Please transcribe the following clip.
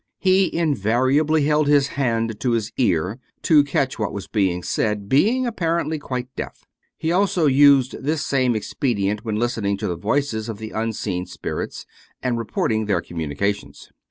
He invariably held his hand to his ear, to catch what was being said, being apparently quite deaf. He also used this same expedient when lis tening to the voices of the unseen spirits, and reporting their communications.